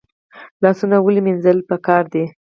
لاسونه ولې مینځل پکار دي؟